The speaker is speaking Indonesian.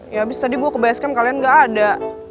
ya abis tadi gue ke base camp kalian gak ada